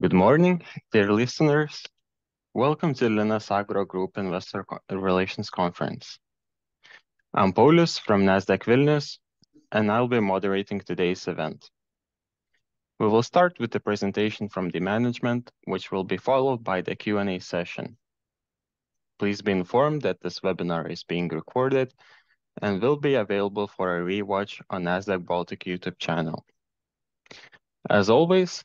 Good morning, dear listeners. Welcome to Linas Agro Group Investor Relations Conference. I'm Paulius from Nasdaq Vilnius, and I'll be moderating today's event. We will start with the presentation from the management, which will be followed by the Q&A session. Please be informed that this webinar is being recorded and will be available for a re-watch on Nasdaq Baltic YouTube channel. As always,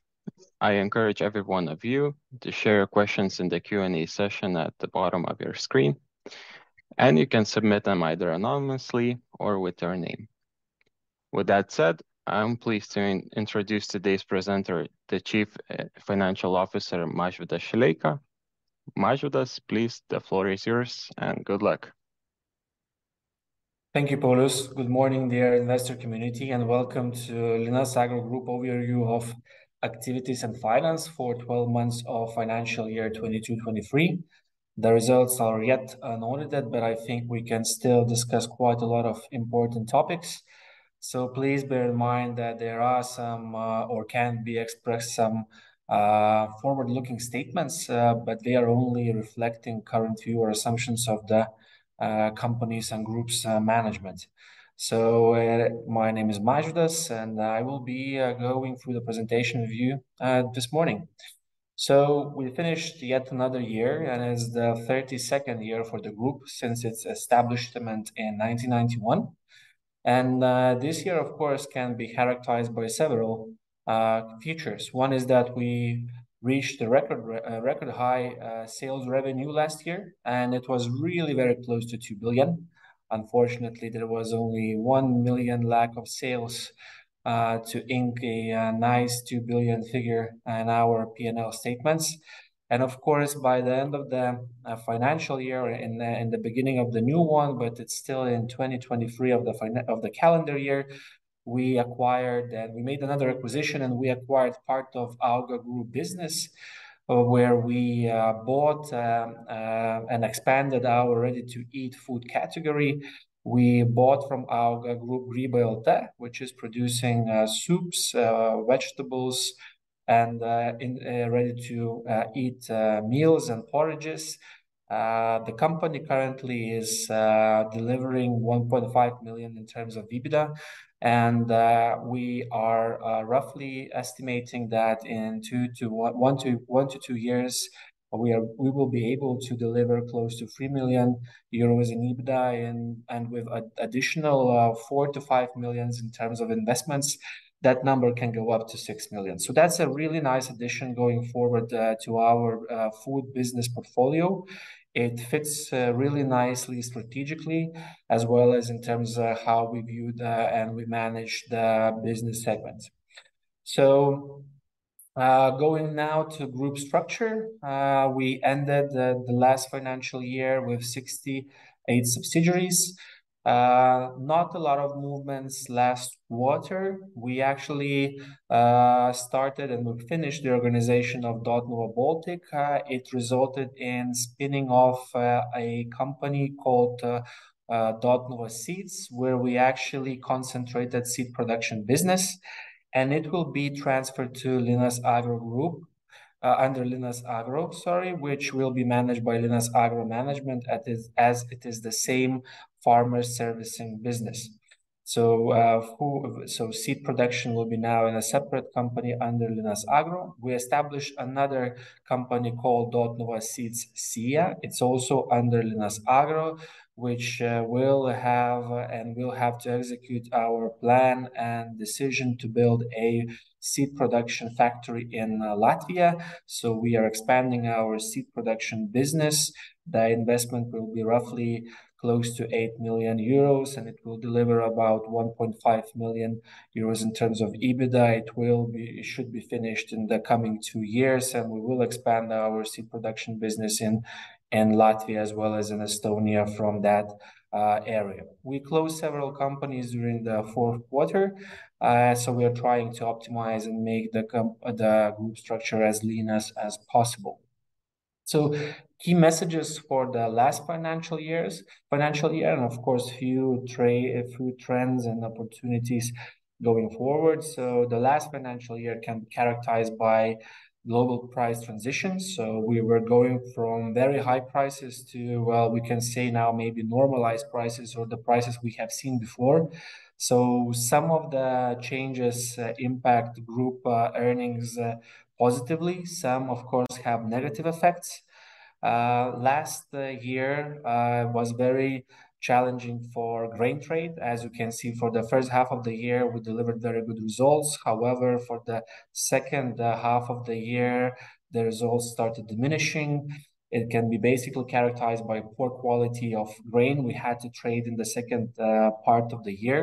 I encourage every one of you to share your questions in the Q&A session at the bottom of your screen, and you can submit them either anonymously or with your name. With that said, I'm pleased to introduce today's presenter, the Chief Financial Officer, Mažvydas Šileika. Mažvydas, please, the floor is yours, and good luck. Thank you, Paulius. Good morning, dear investor community, and welcome to Linas Agro Group overview of activities and finance for 12 months of financial year 2022-2023. The results are yet unaudited, but I think we can still discuss quite a lot of important topics. So please bear in mind that there are some, or can be expressed, some, forward-looking statements, but they are only reflecting current view or assumptions of the, companies and group's, management. So, my name is Mažvydas, and I will be, going through the presentation with you, this morning. So we finished yet another year, and it's the 32nd year for the group since its establishment in 1991. And, this year, of course, can be characterized by several, features. One is that we reached a record high sales revenue last year, and it was really very close to 2 billion. Unfortunately, there was only 1 million lack of sales to ink a nice 2 billion figure in our P&L statements. And of course, by the end of the financial year and the beginning of the new one, but it's still in 2023 of the calendar year, we acquired. We made another acquisition, and we acquired part of AUGA Group business, where we bought and expanded our ready-to-eat food category. We bought from AUGA Group Grybai LT, which is producing soups, vegetables, and ready-to-eat meals and porridges. The company currently is delivering 1.5 million in terms of EBITDA, and we are roughly estimating that in 1-2 years, we will be able to deliver close to 3 million euros in EBITDA and with additional 4 million-5 million in terms of investments, that number can go up to 6 million. So that's a really nice addition going forward to our food business portfolio. It fits really nicely strategically, as well as in terms of how we view and we manage the business segments. So going now to group structure, we ended the last financial year with 68 subsidiaries. Not a lot of movements last quarter. We actually started and we finished the organization of Dotnuva Baltic. It resulted in spinning off a company called Dotnuva Seeds, where we actually concentrated seed production business, and it will be transferred to Linas Agro Group under Linas Agro, sorry, which will be managed by Linas Agro management, as it is the same farmer-servicing business. So seed production will be now in a separate company under Linas Agro. We established another company called Dotnuva Seeds SIA. It's also under Linas Agro, which will have and will have to execute our plan and decision to build a seed production factory in Latvia. So we are expanding our seed production business. The investment will be roughly close to 8 million euros, and it will deliver about 1.5 million euros in terms of EBITDA. It will be, it should be finished in the coming two years, and we will expand our seed production business in, in Latvia as well as in Estonia from that area. We closed several companies during the fourth quarter, so we are trying to optimize and make the group structure as lean as possible. So key messages for the last financial years, financial year, and of course, a few trends and opportunities going forward. So the last financial year can be characterized by global price transitions. So we were going from very high prices to, well, we can say now maybe normalized prices or the prices we have seen before. So some of the changes impact group earnings positively. Some, of course, have negative effects. Last year was very challenging for grain trade. As you can see, for the first half of the year, we delivered very good results. However, for the second half of the year, the results started diminishing. It can be basically characterized by poor quality of grain we had to trade in the second part of the year.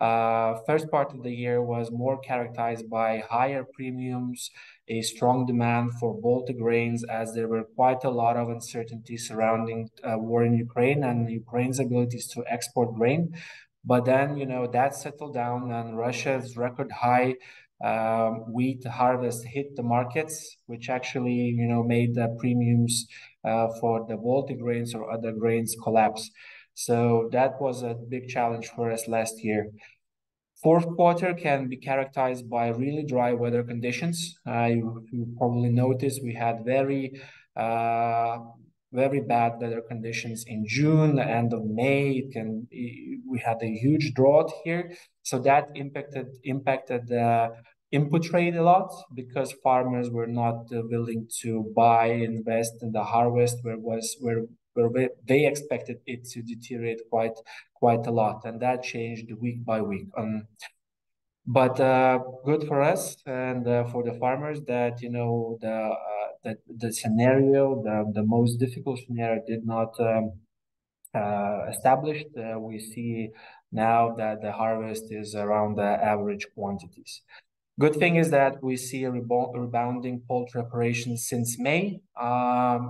First part of the year was more characterized by higher premiums, a strong demand for Baltic grains, as there were quite a lot of uncertainty surrounding war in Ukraine and Ukraine's abilities to export grain. But then, you know, that settled down, and Russia's record-high wheat harvest hit the markets, which actually, you know, made the premiums for the Baltic grains or other grains collapse. So that was a big challenge for us last year. Fourth quarter can be characterized by really dry weather conditions. You probably noticed we had very, very bad weather conditions in June, the end of May. We had a huge drought here, so that impacted the input trade a lot because farmers were not willing to buy, invest in the harvest, where they expected it to deteriorate quite a lot, and that changed week by week. But good for us and for the farmers that, you know, the most difficult scenario did not established. We see now that the harvest is around the average quantities. Good thing is that we see a rebounding poultry operations since May.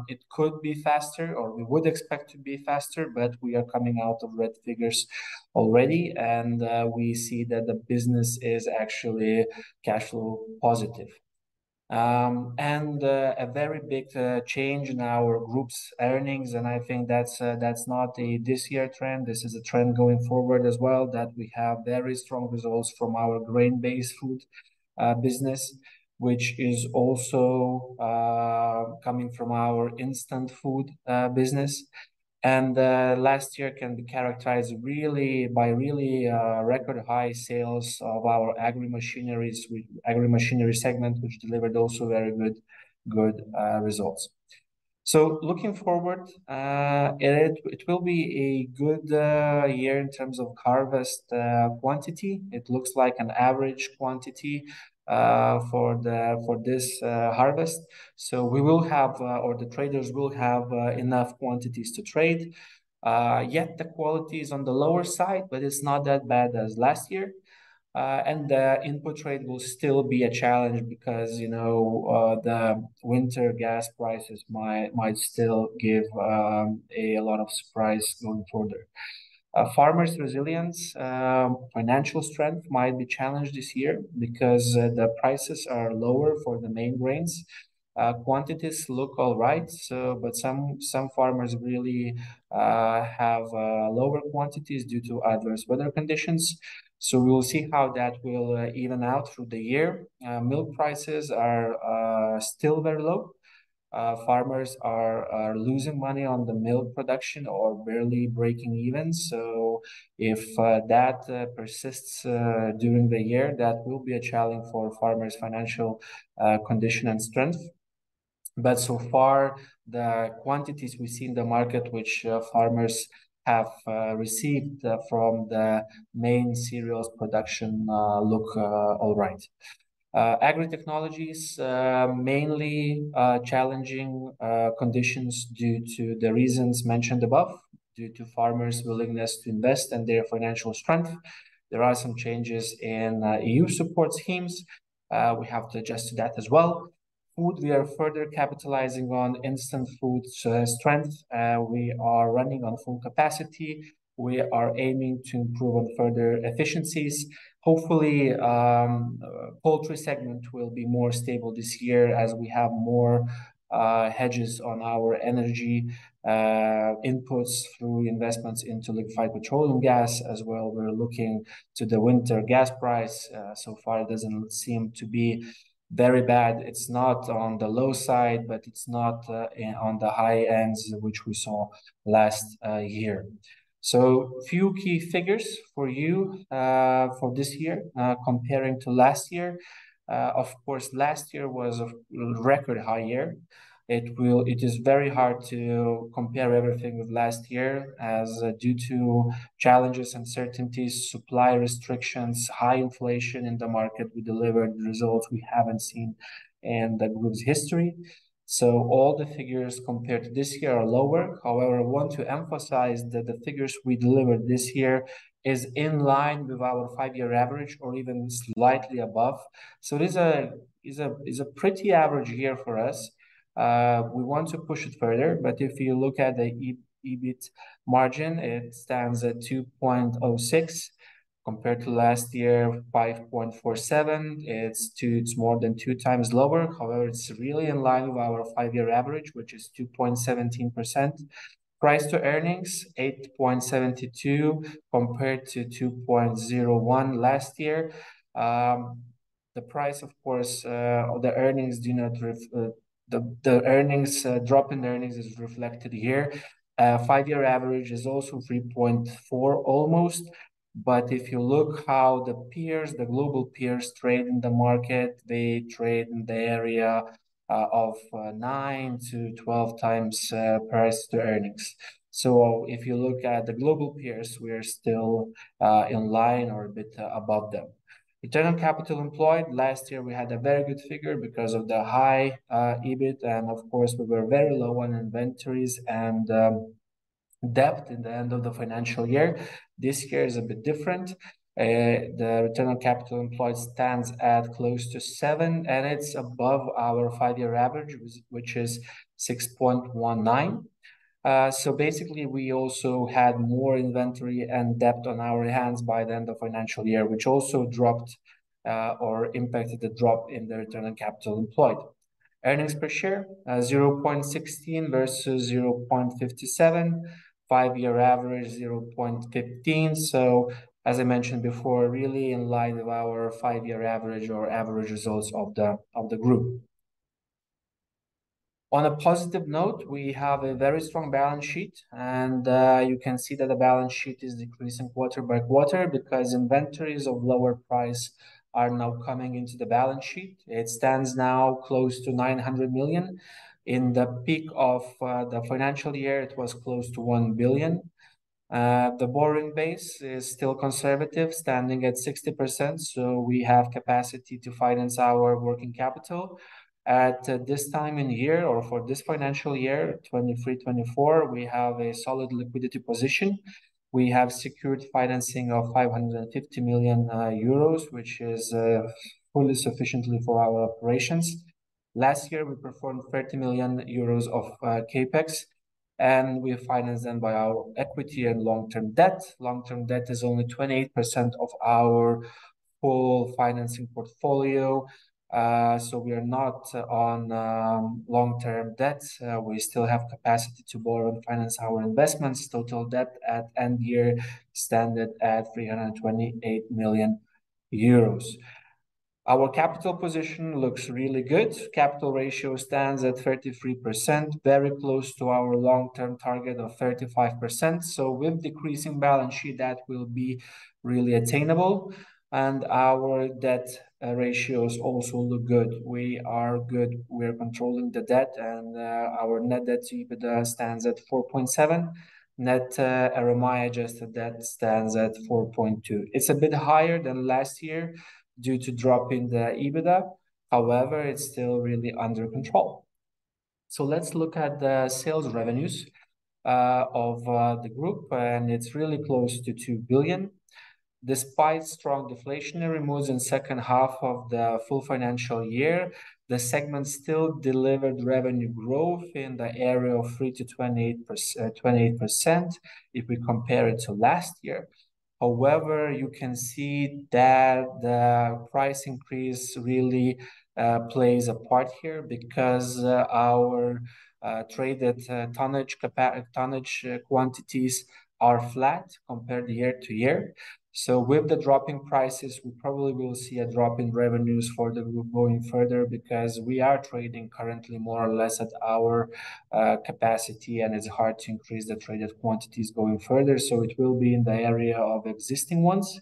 It could be faster, or we would expect to be faster, but we are coming out of red figures already, and we see that the business is actually cash flow positive. A very big change in our group's earnings, and I think that's not a this year trend. This is a trend going forward as well, that we have very strong results from our grain-based food business, which is also coming from our instant food business. Last year can be characterized by record high sales of our agri machineries, agri machinery segment, which delivered also very good results. Looking forward, it will be a good year in terms of harvest quantity. It looks like an average quantity for this harvest. So we will have, or the traders will have, enough quantities to trade. Yet the quality is on the lower side, but it's not that bad as last year. And the input trade will still be a challenge because, you know, the winter gas prices might still give a lot of surprise going further. Farmers' resilience, financial strength might be challenged this year because the prices are lower for the main grains. Quantities look all right, so but some farmers really have lower quantities due to adverse weather conditions. So we will see how that will even out through the year. Milk prices are still very low. Farmers are losing money on the milk production or barely breaking even. So if that persists during the year, that will be a challenge for farmers' financial condition and strength. But so far, the quantities we see in the market, which farmers have received from the main cereals production look all right. Agri technologies mainly challenging conditions due to the reasons mentioned above, due to farmers' willingness to invest and their financial strength. There are some changes in EU support schemes. We have to adjust to that as well. Food, we are further capitalizing on instant foods strength. We are running on full capacity. We are aiming to improve on further efficiencies. Hopefully, poultry segment will be more stable this year as we have more hedges on our energy inputs through investments into liquefied petroleum gas as well. We're looking to the winter gas price. So far, it doesn't seem to be very bad. It's not on the low side, but it's not on the high ends, which we saw last year. So few key figures for you for this year comparing to last year. Of course, last year was a record high year. It is very hard to compare everything with last year as due to challenges, uncertainties, supply restrictions, high inflation in the market. We delivered results we haven't seen in the group's history, so all the figures compared to this year are lower. However, I want to emphasize that the figures we delivered this year is in line with our five-year average or even slightly above. So this is a pretty average year for us. We want to push it further, but if you look at the EBIT margin, it stands at 2.06%. Compared to last year, 5.47%, it's more than two times lower. However, it's really in line with our five-year average, which is 2.17%. Price to earnings, 8.72 compared to 2.01 last year. The price, of course, the earnings drop is reflected here. Five-year average is also 3.4, almost. But if you look how the peers, the global peers trade in the market, they trade in the area of 9x-12x price to earnings. So if you look at the global peers, we are still in line or a bit above them. Return on capital employed. Last year we had a very good figure because of the high EBIT, and of course, we were very low on inventories and debt in the end of the financial year. This year is a bit different. The return on capital employed stands at close to 7, and it's above our five-year average, which is 6.19. So basically, we also had more inventory and debt on our hands by the end of financial year, which also dropped or impacted the drop in the return on capital employed. Earnings per share, 0.16 versus 0.57. Five year average, 0.15. So as I mentioned before, really in line with our five-year average or average results of the group. On a positive note, we have a very strong balance sheet, and you can see that the balance sheet is decreasing quarter by quarter because inventories of lower price are now coming into the balance sheet. It stands now close to 900 million. In the peak of the financial year, it was close to 1 billion. The borrowing base is still conservative, standing at 60%, so we have capacity to finance our working capital. At this time in year or for this financial year 2023-2024, we have a solid liquidity position. We have secured financing of 550 million euros, which is fully sufficiently for our operations. Last year, we performed 30 million euros of CapEx, and we financed them by our equity and long-term debt. Long-term debt is only 28% of our full financing portfolio. So we are not on long-term debt. We still have capacity to borrow and finance our investments. Total debt at end year stands at 328 million euros. Our capital position looks really good. Capital ratio stands at 33%, very close to our long-term target of 35%. So with decreasing balance sheet, that will be really attainable, and our debt ratios also look good. We are good. We are controlling the debt, and our net debt to EBITDA stands at 4.7. Net RMI adjusted debt stands at 4.2. It's a bit higher than last year due to drop in the EBITDA. However, it's still really under control. So let's look at the sales revenues of the group, and it's really close to 2 billion. Despite strong deflationary moves in second half of the full financial year, the segment still delivered revenue growth in the area of 3%-28% if we compare it to last year. However, you can see that the price increase really plays a part here because our traded tonnage quantities are flat compared year-over-year. So with the drop in prices, we probably will see a drop in revenues for the group going further because we are trading currently more or less at our capacity, and it's hard to increase the traded quantities going further. So it will be in the area of existing ones.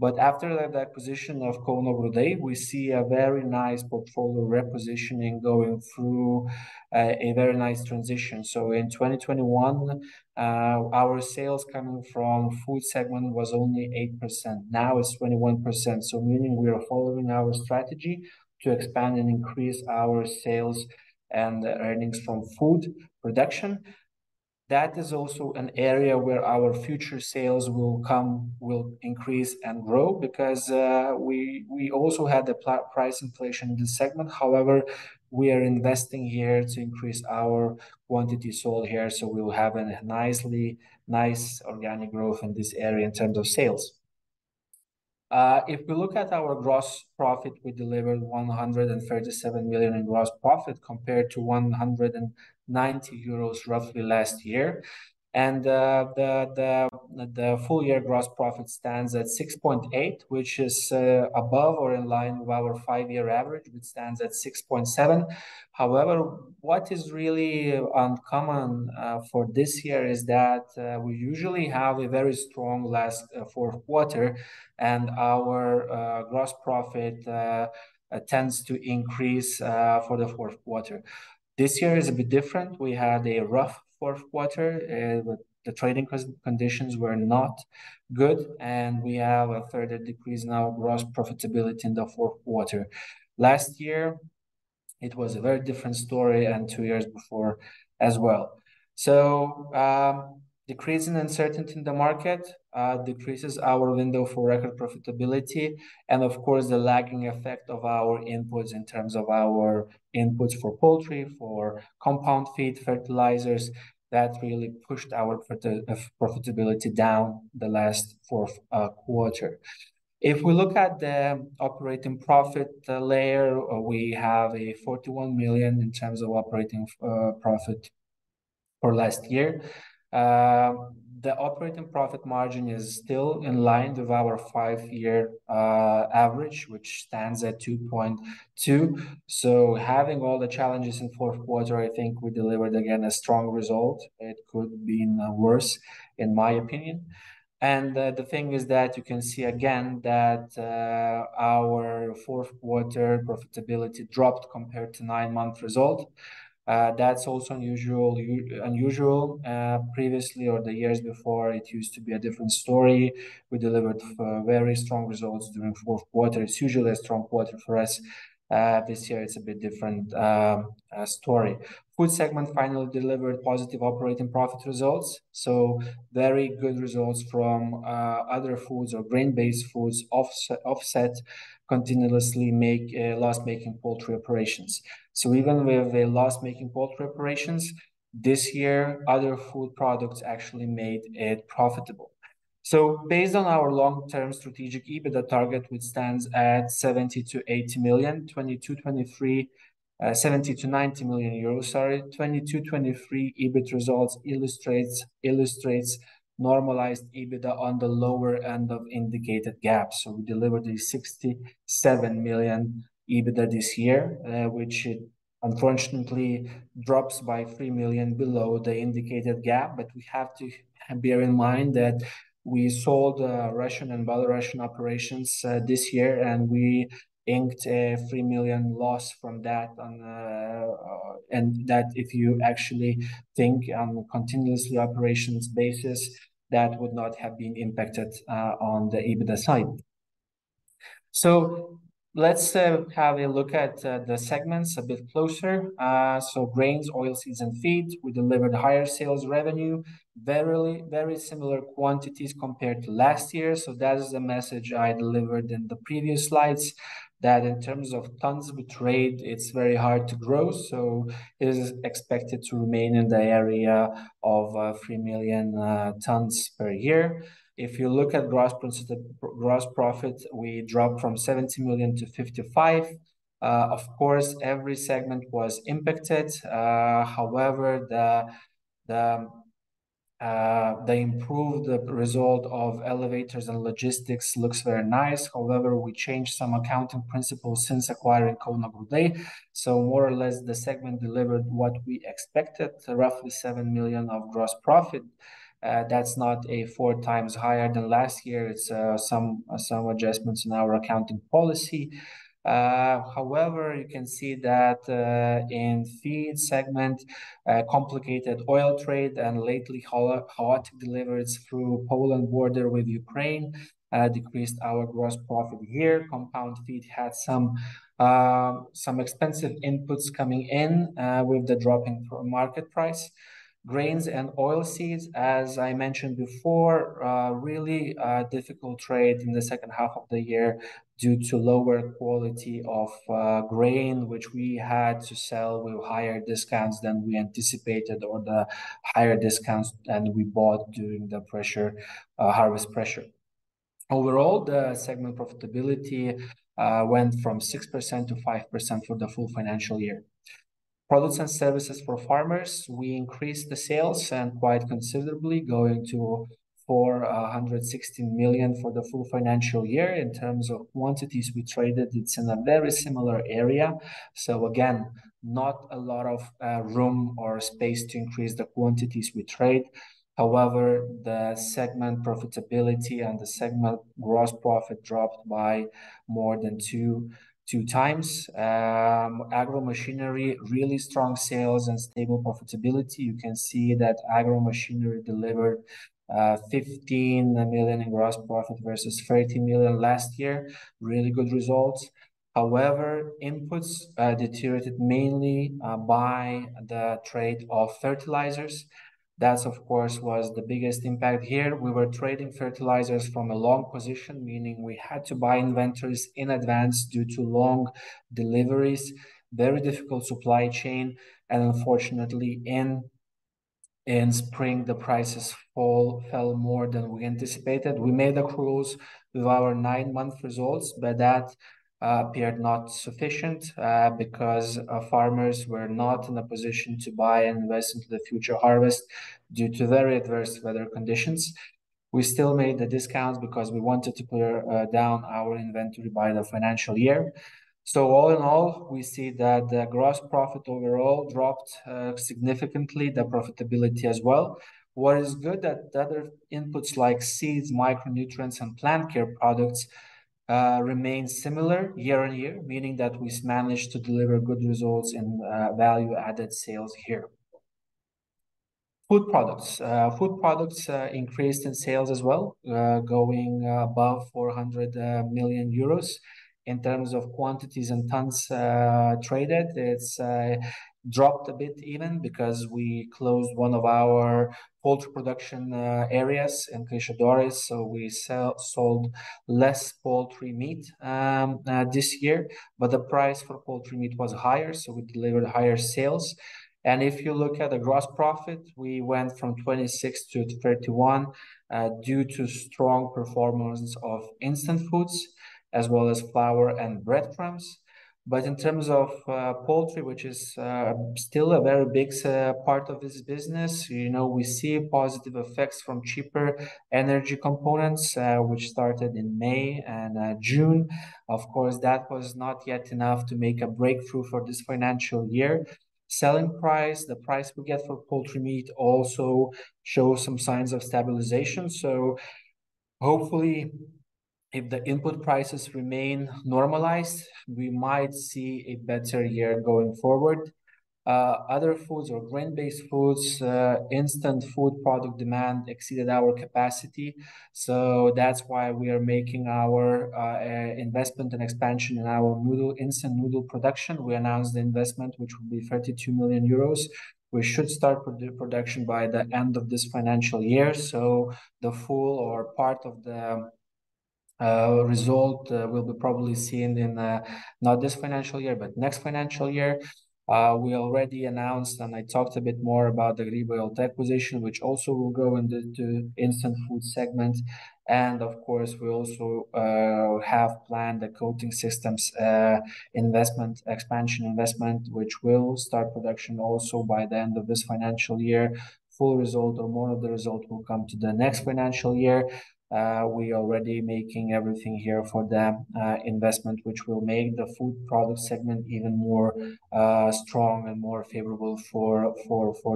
But after the acquisition of Konevė and Brodei, we see a very nice portfolio repositioning going through a very nice transition. So in 2021, our sales coming from food segment was only 8%. Now it's 21%. So meaning we are following our strategy to expand and increase our sales and earnings from food production. That is also an area where our future sales will come, will increase and grow because, we also had the price inflation in this segment. However, we are investing here to increase our quantity sold here, so we will have a nice organic growth in this area in terms of sales. If we look at our gross profit, we delivered 137 million in gross profit, compared to 190 million euros, roughly last year. And, the full-year gross profit stands at 6.8%, which is above or in line with our five-year average, which stands at 6.7%. However, what is really uncommon for this year is that we usually have a very strong last fourth quarter, and our gross profit tends to increase for the fourth quarter. This year is a bit different. We had a rough fourth quarter with the trading conditions were not good, and we have a further decrease in our gross profitability in the fourth quarter. Last year, it was a very different story, and two years before as well. So, decreasing uncertainty in the market decreases our window for record profitability and, of course, the lagging effect of our inputs in terms of our inputs for poultry, for compound feed, fertilizers, that really pushed our profitability down the last fourth quarter. If we look at the operating profit, the layer, we have 41 million in terms of operating profit for last year. The operating profit margin is still in line with our five-year average, which stands at 2.2%. So having all the challenges in fourth quarter, I think we delivered again a strong result. It could have been worse, in my opinion. And, the thing is that you can see again that, our fourth-quarter profitability dropped compared to nine-month result. That's also unusual. Previously or the years before, it used to be a different story. We delivered very strong results during fourth quarter. It's usually a strong quarter for us. This year it's a bit different story. Food segment finally delivered positive operating profit results. So very good results from other foods or grain-based foods offset continuously make loss-making poultry operations. So even with the loss-making poultry operations, this year, other food products actually made it profitable. So based on our long-term strategic EBITDA target, which stands at 70 million- 80 million, 2022-2023, 70 million- 90 million euros, sorry. 2022-2023 EBIT results illustrates normalized EBITDA on the lower end of indicated gap. So we delivered a 67 million EBITDA this year, which it unfortunately drops by 3 million below the indicated gap. But we have to bear in mind that we sold Russian and Belarusian operations this year, and we inked a 3 million loss from that on, and that if you actually think on continuously operations basis, that would not have been impacted on the EBITDA side. So let's have a look at the segments a bit closer. So grains, oilseeds and feed, we delivered higher sales revenue, very, very similar quantities compared to last year. So that is the message I delivered in the previous slides, that in terms of tons we trade, it's very hard to grow, so it is expected to remain in the area of 3 million tons per year. If you look at gross profits, gross profit, we dropped from 70 million-55 million. Of course, every segment was impacted. However, the improved result of elevators and logistics looks very nice. However, we changed some accounting principles since acquiring Konevė and Brodei, so more or less, the segment delivered what we expected, roughly 7 million of gross profit. That's not 4x higher than last year. It's some adjustments in our accounting policy. However, you can see that in feed segment, complicated oil trade and lately chaotic deliveries through Poland border with Ukraine, decreased our gross profit here. Compound feed had some expensive inputs coming in with the dropping market price. Grains and oilseeds, as I mentioned before, really difficult trade in the second half of the year due to lower quality of grain, which we had to sell with higher discounts than we anticipated or the higher discounts than we bought during the pressure harvest pressure. Overall, the segment profitability went from 6%-5% for the full financial year. Products and services for farmers, we increased the sales quite considerably, going to 416 million for the full financial year. In terms of quantities we traded, it's in a very similar area. So again, not a lot of room or space to increase the quantities we trade. However, the segment profitability and the segment gross profit dropped by more than 2x. Agro machinery, really strong sales and stable profitability. You can see that agro machinery delivered 15 million in gross profit versus 30 million last year. Really good results. However, inputs deteriorated mainly by the trade of fertilizers. That, of course, was the biggest impact here. We were trading fertilizers from a long position, meaning we had to buy inventories in advance due to long deliveries. Very difficult supply chain, and unfortunately, in spring, the prices fell more than we anticipated. We made accruals with our nine-month results, but that appeared not sufficient, because farmers were not in a position to buy and invest into the future harvest due to very adverse weather conditions. We still made the discounts because we wanted to clear down our inventory by the financial year. So all in all, we see that the gross profit overall dropped significantly, the profitability as well. What is good, that the other inputs like seeds, micronutrients, and plant care products remained similar year-on-year, meaning that we managed to deliver good results in value-added sales here. Food products. Food products increased in sales as well, going above 400 million euros. In terms of quantities and tons traded, it's dropped a bit even because we closed one of our poultry production areas in Kaišiadorys, so we sold less poultry meat this year, but the price for poultry meat was higher, so we delivered higher sales. If you look at the gross profit, we went from 26-31 due to strong performance of instant foods as well as flour and breadcrumbs. But in terms of poultry, which is still a very big part of this business, you know, we see positive effects from cheaper energy components, which started in May and June. Of course, that was not yet enough to make a breakthrough for this financial year. Selling price, the price we get for poultry meat also shows some signs of stabilization, so hopefully, if the input prices remain normalized, we might see a better year going forward. Other foods or grain-based foods, instant food product demand exceeded our capacity. So that's why we are making our investment and expansion in our noodle, instant noodle production. We announced the investment, which will be 32 million euros. We should start with the production by the end of this financial year, so the full or part of the result will be probably seen in not this financial year, but next financial year. We already announced, and I talked a bit more about the Grybai LT acquisition, which also will go into the instant food segment. Of course, we also have planned the coating systems expansion investment, which will start production also by the end of this financial year. Full result or more of the result will come to the next financial year. We already making everything here for the investment, which will make the food product segment even more strong and more favorable for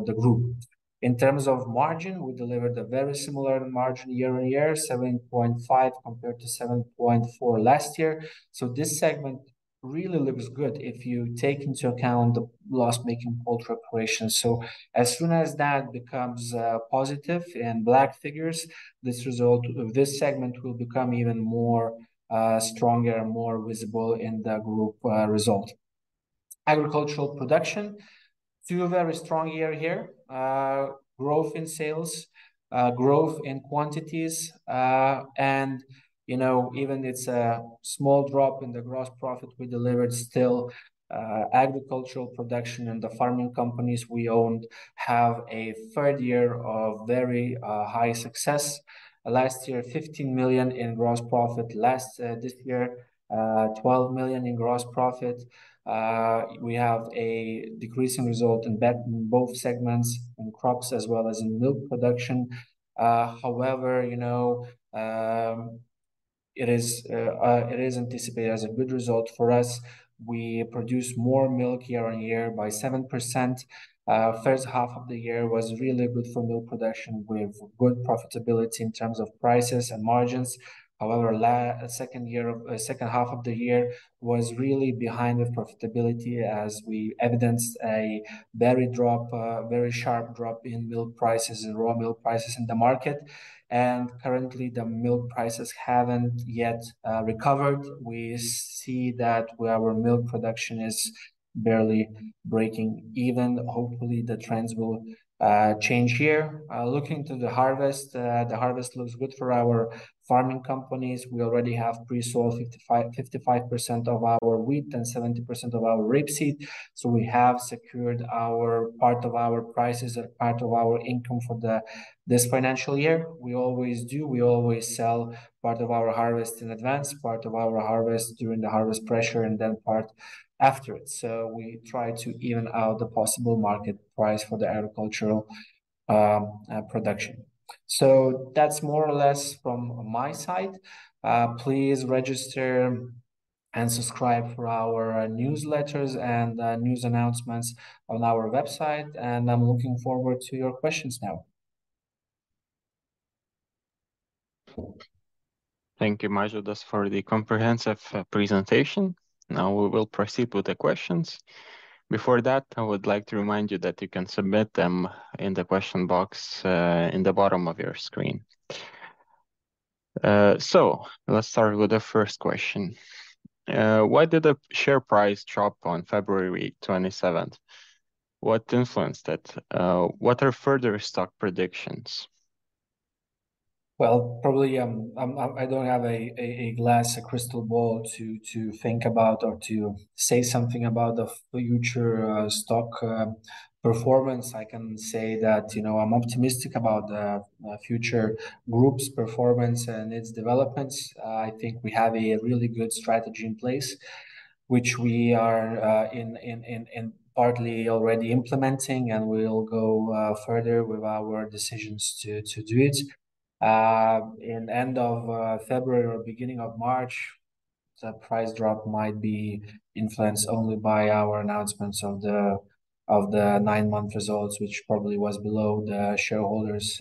the group. In terms of margin, we delivered a very similar margin year-over-year, 7.5 compared to 7.4 last year. So this segment really looks good if you take into account the loss-making poultry operations. So as soon as that becomes positive and black figures, this result of this segment will become even more stronger and more visible in the group result. Agricultural production, two very strong years here. Growth in sales, growth in quantities, and, you know, even it's a small drop in the gross profit we delivered, still, agricultural production and the farming companies we own have a third year of very high success. Last year, 15 million in gross profit. This year, 12 million in gross profit. We have a decreasing result in both, both segments, in crops as well as in milk production. However, you know, it is anticipated as a good result for us. We produce more milk year-over-year by 7%. First half of the year was really good for milk production, with good profitability in terms of prices and margins. However, second year, second half of the year was really behind with profitability, as we evidenced a very sharp drop in milk prices and raw milk prices in the market. Currently, the milk prices haven't yet recovered. We see that our milk production is barely breaking even. Hopefully, the trends will change here. Looking to the harvest, the harvest looks good for our farming companies. We already have pre-sold 55%, 55% of our wheat and 70% of our rapeseed. So we have secured our part of our prices or part of our income for the this financial year. We always do. We always sell part of our harvest in advance, part of our harvest during the harvest pressure, and then part after it. So we try to even out the possible market price for the agricultural production. That's more or less from my side. Please register and subscribe for our newsletters and news announcements on our website, and I'm looking forward to your questions now. Thank you, Mažvydas, for the comprehensive presentation. Now, we will proceed with the questions. Before that, I would like to remind you that you can submit them in the question box in the bottom of your screen. So let's start with the first question. Why did the share price drop on February twenty-seventh? What influenced it? What are further stock predictions? Well, probably, I don't have a glass, a crystal ball to think about or to say something about the future stock performance. I can say that, you know, I'm optimistic about the future group's performance and its developments. I think we have a really good strategy in place, which we are partly already implementing, and we'll go further with our decisions to do it. In end of February or beginning of March, the price drop might be influenced only by our announcements of the nine-month results, which probably was below the shareholders'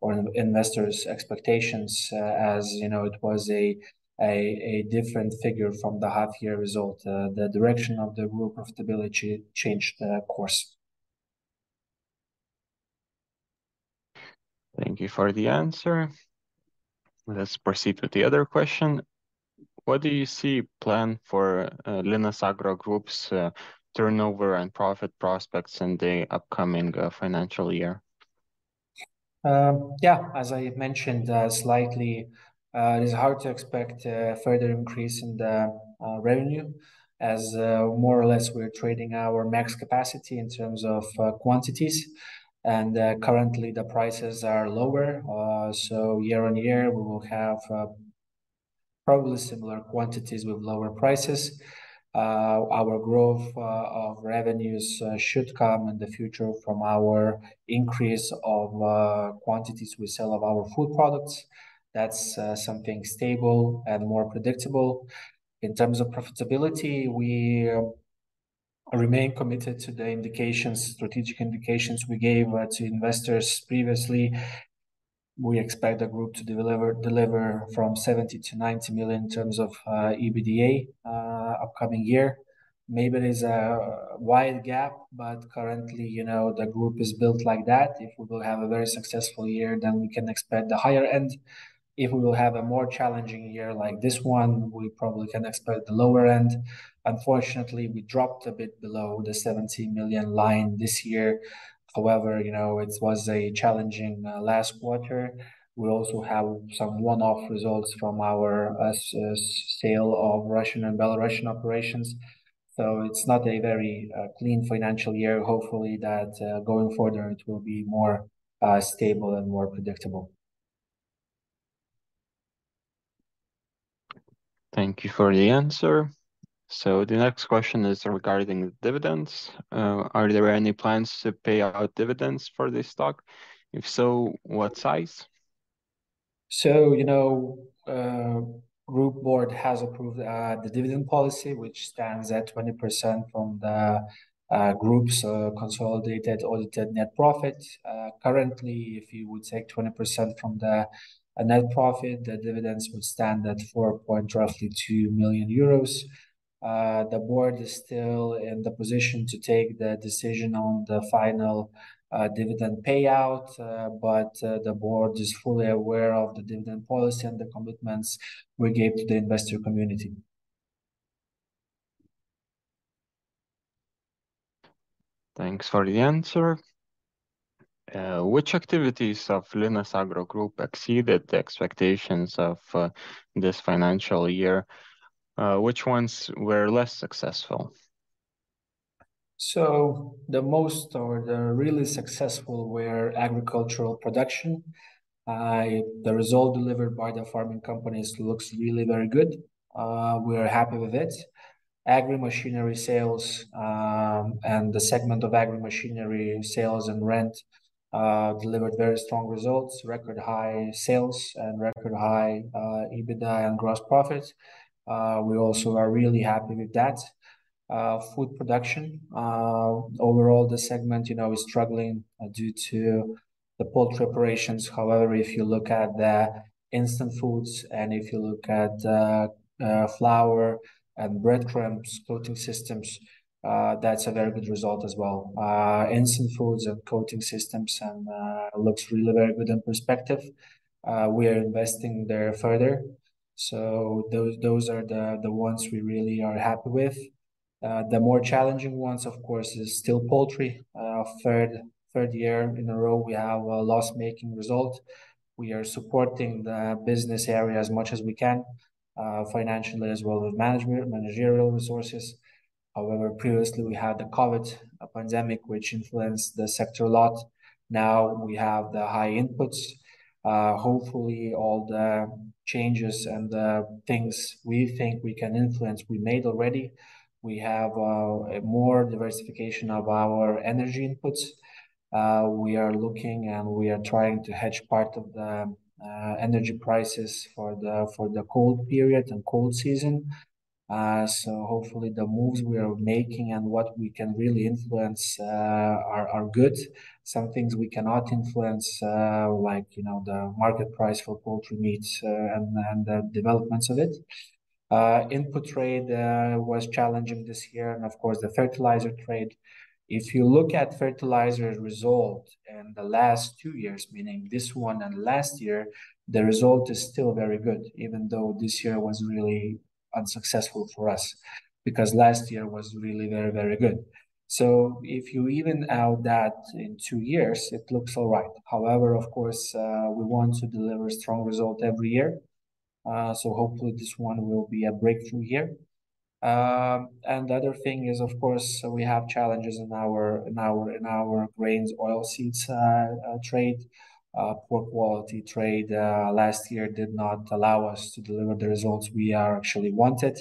or investors' expectations. As you know, it was a different figure from the half-year result. The direction of the group profitability changed course. Thank you for the answer. Let's proceed with the other question: What do you see planned for Linas Agro Group's turnover and profit prospects in the upcoming financial year? Yeah, as I mentioned, slightly, it is hard to expect a further increase in the revenue as more or less we're trading our max capacity in terms of quantities, and currently, the prices are lower. So year-on-year, we will have probably similar quantities with lower prices. Our growth of revenues should come in the future from our increase of quantities we sell of our food products. That's something stable and more predictable. In terms of profitability, we remain committed to the indications, strategic indications we gave to investors previously. We expect the group to deliver, deliver from 70 million- 90 million in terms of EBITDA upcoming year. Maybe it is a wide gap, but currently, you know, the group is built like that. If we will have a very successful year, then we can expect the higher end. If we will have a more challenging year like this one, we probably can expect the lower end. Unfortunately, we dropped a bit below the 70 million line this year. However, you know, it was a challenging last quarter. We also have some one-off results from our sale of Russian and Belarusian operations, so it's not a very clean financial year. Hopefully, going further, it will be more stable and more predictable. ... Thank you for the answer. So the next question is regarding dividends. Are there any plans to pay out dividends for this stock? If so, what size? So, you know, group board has approved the dividend policy, which stands at 20% from the group's consolidated audited net profit. Currently, if you would take 20% from the net profit, the dividends would stand at roughly 4.2 million euros. The board is still in the position to take the decision on the final dividend payout, but the board is fully aware of the dividend policy and the commitments we gave to the investor community. Thanks for the answer. Which activities of Linas Agro Group exceeded the expectations of this financial year? Which ones were less successful? So the most or the really successful were agricultural production. The result delivered by the farming companies looks really very good. We are happy with it. Agri machinery sales, and the segment of agri machinery sales and rent, delivered very strong results, record high sales and record high, EBITDA and gross profit. We also are really happy with that. Food production, overall, the segment, you know, is struggling due to the poultry operations. However, if you look at the instant foods and if you look at, flour and breadcrumbs coating systems, that's a very good result as well. Instant foods and coating systems and, looks really very good in perspective. We are investing there further. So those, those are the, the ones we really are happy with. The more challenging ones, of course, is still poultry. Third, third year in a row, we have a loss-making result. We are supporting the business area as much as we can, financially, as well as management, managerial resources. However, previously we had the COVID pandemic, which influenced the sector a lot. Now we have the high inputs. Hopefully, all the changes and the things we think we can influence, we made already. We have a more diversification of our energy inputs. We are looking, and we are trying to hedge part of the energy prices for the cold period and cold season. So hopefully the moves we are making and what we can really influence are good. Some things we cannot influence, like, you know, the market price for poultry meats, and the developments of it. Input trade was challenging this year and of course, the fertilizer trade. If you look at fertilizer result in the last two years, meaning this one and last year, the result is still very good, even though this year was really unsuccessful for us, because last year was really very, very good. So if you even out that in two years, it looks all right. However, of course, we want to deliver strong result every year. So hopefully this one will be a breakthrough year. And the other thing is, of course, we have challenges in our grains, oilseeds trade. Poor quality trade last year did not allow us to deliver the results we actually wanted.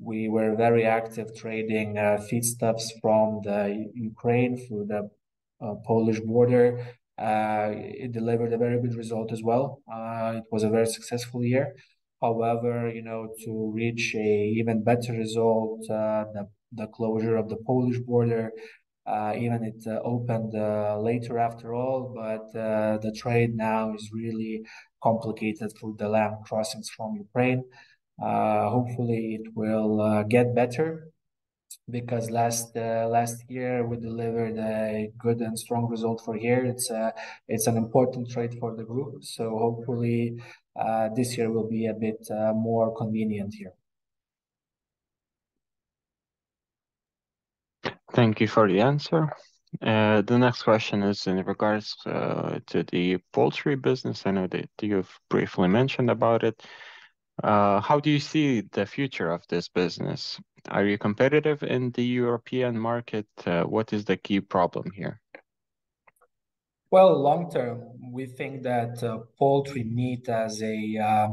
We were very active trading feedstuffs from Ukraine through the Polish border. It delivered a very good result as well. It was a very successful year. However, you know, to reach an even better result, the closure of the Polish border, even it opened later after all, but the trade now is really complicated through the land crossings from Ukraine. Hopefully, it will get better because last year we delivered a good and strong result here. It's an important trade for the group, so hopefully this year will be a bit more convenient here. Thank you for the answer. The next question is in regards to the poultry business. I know that you've briefly mentioned about it. How do you see the future of this business? Are you competitive in the European market? What is the key problem here? Well, long term, we think that, poultry meat as a,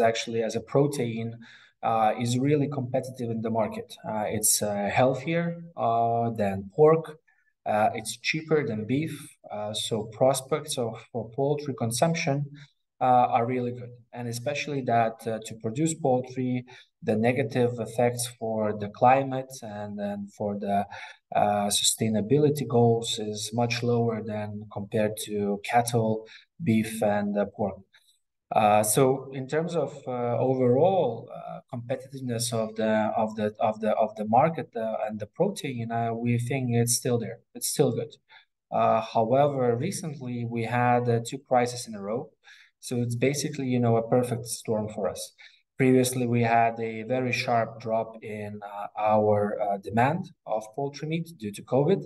actually as a protein, is really competitive in the market. It's healthier than pork, it's cheaper than beef. So prospects of, for poultry consumption, are really good, and especially that, to produce poultry, the negative effects for the climate and then for the, sustainability goals is much lower than compared to cattle, beef and pork. So in terms of, overall, competitiveness of the market, and the protein, we think it's still there, it's still good. However, recently we had, two crises in a row, so it's basically, you know, a perfect storm for us. Previously, we had a very sharp drop in our demand of poultry meat due to COVID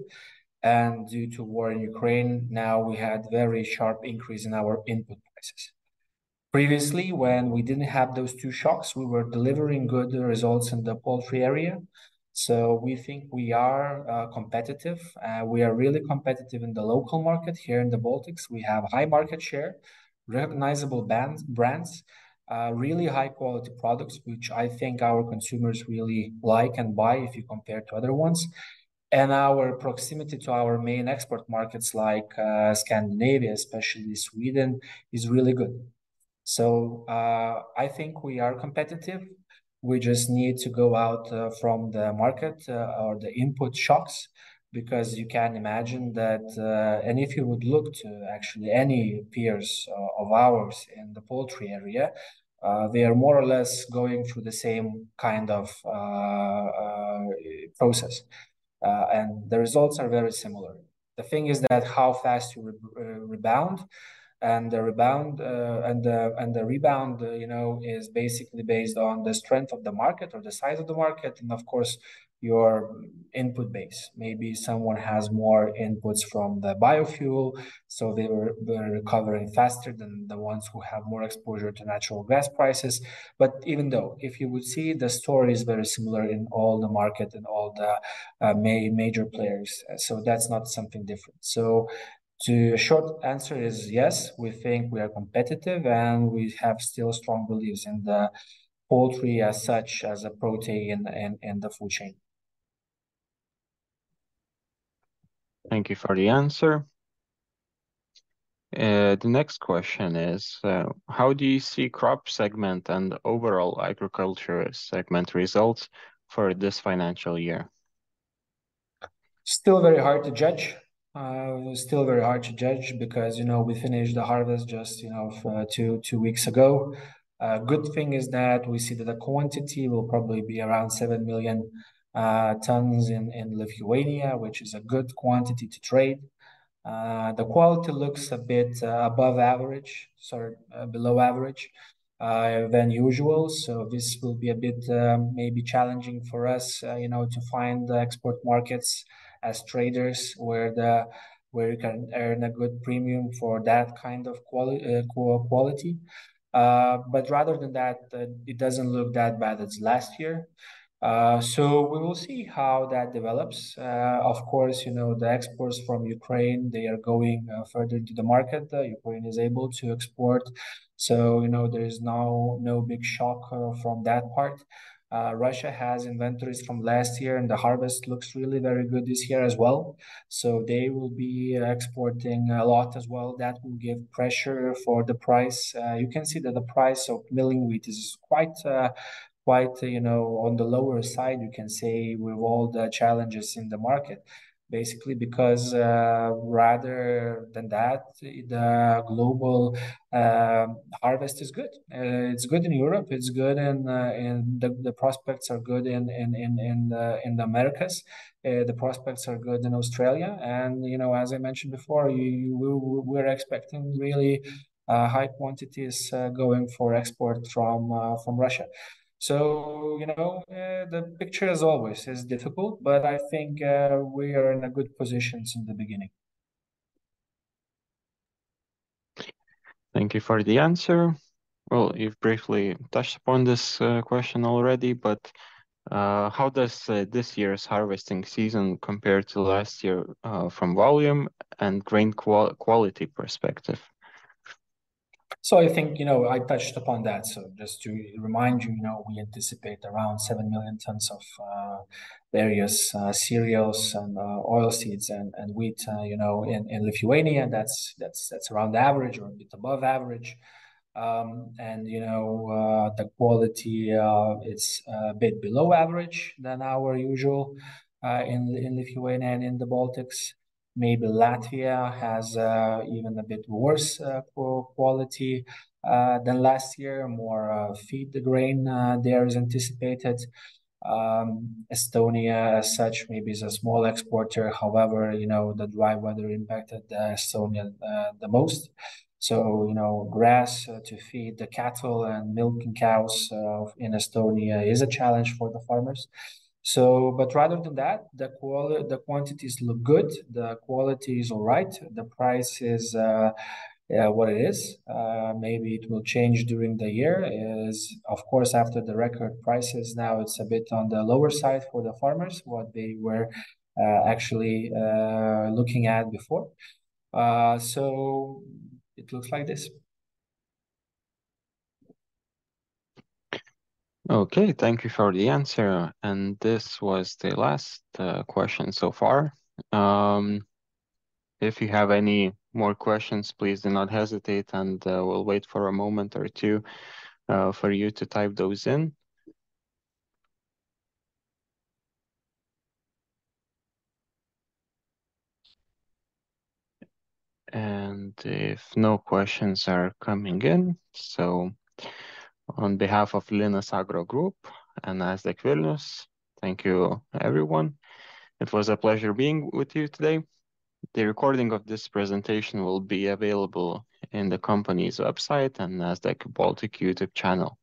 and due to war in Ukraine. Now, we had very sharp increase in our input prices. Previously, when we didn't have those two shocks, we were delivering good results in the poultry area. So we think we are competitive. We are really competitive in the local market here in the Baltics. We have high market share, recognizable brands, really high quality products, which I think our consumers really like and buy if you compare to other ones. And our proximity to our main export markets, like, Scandinavia, especially Sweden, is really good. So, I think we are competitive. We just need to go out from the market or the input shocks, because you can imagine that... And if you would look to actually any peers of ours in the poultry area, they are more or less going through the same kind of process, and the results are very similar. The thing is that how fast you rebound and the rebound, you know, is basically based on the strength of the market or the size of the market and of course, your input base. Maybe someone has more inputs from the biofuel, so they were, they're recovering faster than the ones who have more exposure to natural gas prices. But even though, if you would see, the story is very similar in all the market and all the major players, so that's not something different. So the short answer is yes, we think we are competitive, and we have still strong beliefs in the poultry as such as a protein in the food chain. Thank you for the answer. The next question is, "How do you see crop segment and overall agriculture segment results for this financial year? Still very hard to judge. Still very hard to judge because, you know, we finished the harvest just, you know, two weeks ago. Good thing is that we see that the quantity will probably be around 7 million tons in Lithuania, which is a good quantity to trade. The quality looks a bit above average, sorry, below average than usual. So this will be a bit maybe challenging for us, you know, to find the export markets as traders, where the... where you can earn a good premium for that kind of quality. But rather than that, it doesn't look that bad as last year. So we will see how that develops. Of course, you know, the exports from Ukraine, they are going further to the market. Ukraine is able to export, so you know, there is no, no big shock from that part. Russia has inventories from last year, and the harvest looks really very good this year as well, so they will be exporting a lot as well. That will give pressure for the price. You can see that the price of milling wheat is quite, quite, you know, on the lower side, you can say, with all the challenges in the market. Basically because, rather than that, the global harvest is good. It's good in Europe, it's good in the Americas. The prospects are good in Australia, and you know, as I mentioned before, we're expecting really high quantities going for export from Russia. You know, the picture as always is difficult, but I think we are in a good position since the beginning. Thank you for the answer. Well, you've briefly touched upon this question already, but how does this year's harvesting season compare to last year from volume and grain quality perspective? So I think, you know, I touched upon that. So just to remind you, you know, we anticipate around 7 million tons of various cereals and oil seeds and wheat, you know, in Lithuania. That's around average or a bit above average. And, you know, the quality, it's a bit below average than our usual in Lithuania and in the Baltics. Maybe Latvia has even a bit worse quality than last year. More feed grain there is anticipated. Estonia as such, maybe is a small exporter, however, you know, the dry weather impacted Estonia the most. So, you know, grass to feed the cattle and milking cows in Estonia is a challenge for the farmers. So, but rather than that, the quantities look good, the quality is all right, the price is what it is. Maybe it will change during the year. Of course, after the record prices, now it's a bit on the lower side for the farmers, what they were actually looking at before. So it looks like this. Okay, thank you for the answer, and this was the last question so far. If you have any more questions, please do not hesitate, and we'll wait for a moment or two for you to type those in. If no questions are coming in, so on behalf of Linas Agro Group and Nasdaq Vilnius, thank you, everyone. It was a pleasure being with you today. The recording of this presentation will be available on the company's website and Nasdaq Baltic YouTube channel.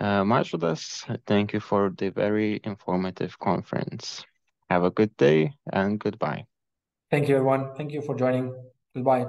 Mažvydas, thank you for the very informative conference. Have a good day, and goodbye. Thank you, everyone. Thank you for joining. Goodbye.